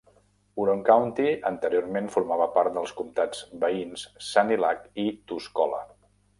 Huron County anteriorment formava part dels comtats veïns Sanilac i Tuscola.